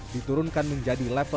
diturunkan menjadi lantaran